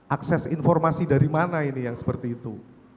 akses informasi dari mana ini yang seperti itu